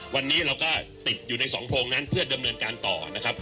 วันนี้เราก็ติดอยู่ในสองโพงนั้นเพื่อดำเนินการต่อนะครับ